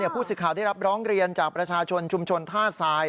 ผู้สื่อข่าวได้รับร้องเรียนจากประชาชนชุมชนท่าทราย